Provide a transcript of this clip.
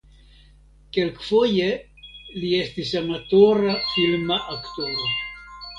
Kelkfoje li estis amatora filma aktoro.